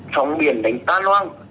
trong biển đánh tan loang